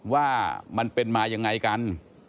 ว่ามันเป็นมายังไงกัน